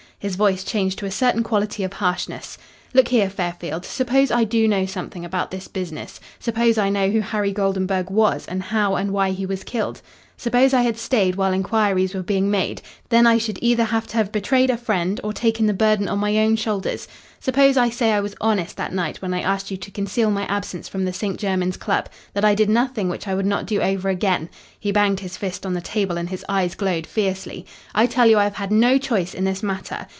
His voice changed to a certain quality of harshness. "Look here, Fairfield. Suppose I do know something about this business; suppose I know who Harry Goldenburg was, and how and why he was killed; suppose I had stayed while inquiries were being made, then I should either have to have betrayed a friend or taken the burden on my own shoulders; suppose I say I was honest that night when I asked you to conceal my absence from the St. Jermyn's Club; that I did nothing which I would not do over again" he banged his fist on the table and his eyes glowed fiercely "I tell you I have had no choice in this matter.